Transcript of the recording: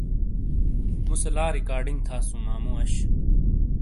مُوسے لاریکارڈنگ تھاسُوں ماموں اش۔